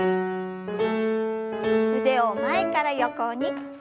腕を前から横に。